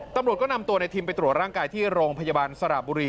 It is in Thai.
ตำรวจก็นำตัวในทิมไปตรวจร่างกายที่โรงพยาบาลสระบุรี